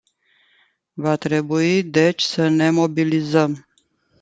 Va trebui deci să ne mobilizăm.